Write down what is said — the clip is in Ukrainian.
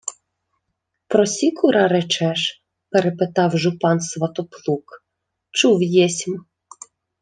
— Про Сікура речеш? — перепитав жупан Сватоплук, — Чув єсмь.